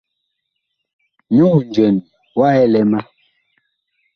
Nyuŋ njɛn wa ɛlɛ ma.